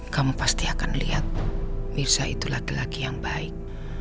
kamu pasti akan lihat mirsa itu laki laki yang baik